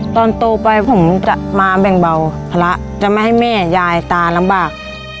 ตอนโตไปผมจะมาแบ่งเบาภาระจะไม่ให้แม่ยายตาลำบาก